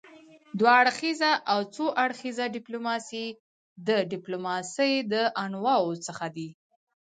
دوه اړخیزه او څو اړخیزه ډيپلوماسي د ډيپلوماسي د انواعو څخه دي.